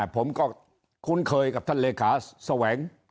ผมก็คุ้นเคยกับท่านเลขาแสวง